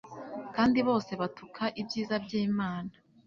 kandi bose batuka ibyiza byimana